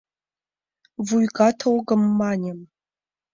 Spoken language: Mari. Вуйгат огым, маньым.